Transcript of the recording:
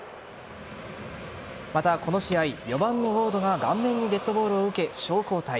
また、この試合４番のウォードが顔面にデッドボールを受け負傷交代。